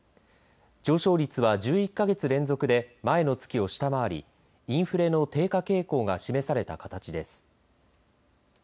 上昇率は１１か月連続で前の月を下回りインフレの低下傾向が示された形です。